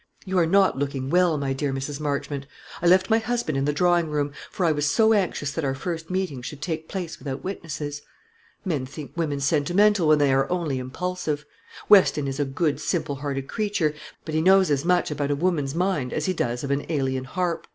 You are not looking well, my dear Mrs. Marchmont. I left my husband in the drawing room, for I was so anxious that our first meeting should take place without witnesses. Men think women sentimental when they are only impulsive. Weston is a good simple hearted creature, but he knows as much about a woman's mind as he does of an Æolian harp.